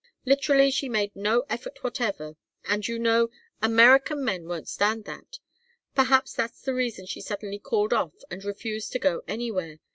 Literally she made no effort whatever, and, you know, American men won't stand that. Perhaps that's the reason she suddenly called off and refused to go anywhere.